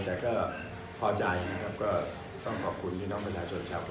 แต่ก็พอใจครับก็ต้องขอบคุณที่น้องบริษัทชนแชลโฟราชครับ